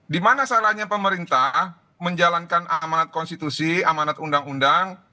dimana salahnya pemerintah menjalankan amanat konstitusi amanat undang undang